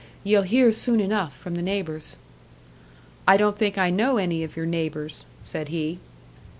Ye'll hear soon enough from the neighbours." "I don't think I know any of your neighbours," said he.